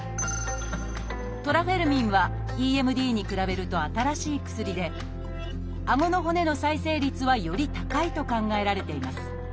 「トラフェルミン」はＥＭＤに比べると新しい薬であごの骨の再生率はより高いと考えられています。